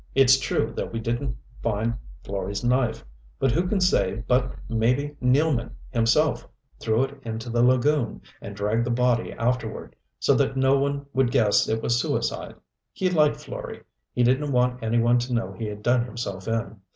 It's true that we didn't find Florey's knife, but who can say but maybe Nealman himself threw it into the lagoon, and dragged the body afterward, so that no one would guess it was suicide. He liked Florey he didn't want any one to know he had done himself in.